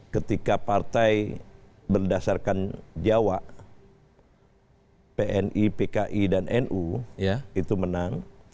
ketika partai berdasarkan jawa pni pki dan nu itu menang